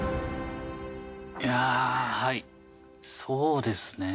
いやあ、そうですね。